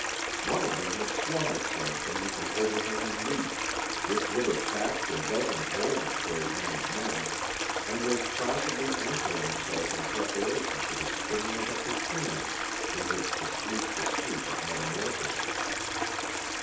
One of them had slung itself beneath an overhanging leaf which would have thatched a dozen homes for as many men and was placidly anchoring itself in preparation for the spinning of a cocoon in which to sleep the sleep of metamorphosis.